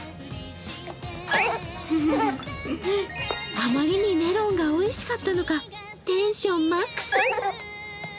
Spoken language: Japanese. あまりにメロンがおいしかったのか、テンションマックス。